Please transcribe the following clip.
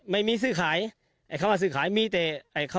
ไม่มีซื่อขายเขาว่าซื้อขายมีแต่